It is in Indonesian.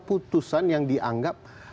putusan yang dianggap